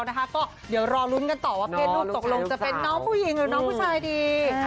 ก็เดี๋ยวรอลุ้นกันต่อว่าเพศลูกตกลงจะเป็นน้องผู้หญิงหรือน้องผู้ชายดี